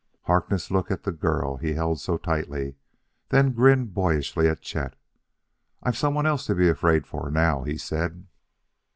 Harkness looked at the girl he held so tightly, then grinned boyishly at Chet. "I've someone else to be afraid for now," he said.